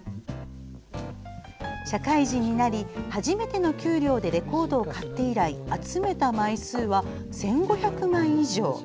社会人になり、初めての給料でレコードを買って以来集めた枚数は１５００枚以上。